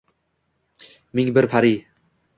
Ming pir pari